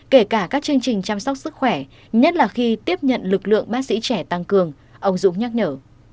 kể cả các chương trình chăm sóc sức khỏe nhất là khi tiếp nhận lực lượng bác sĩ trẻ tăng cường ông dũng nhắc nhở